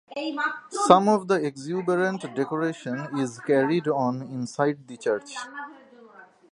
Some of the exuberant decoration is carried on inside the church.